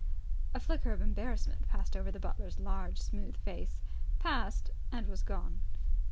A flicker of embarrassment passed over the butler's large, smooth face passed, and was gone.